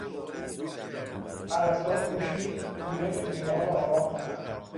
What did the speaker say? پرستار کوشید کودک بیمار را آرام کند.